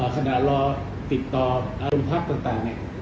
คณะรอติดต่อโรงพักต่าง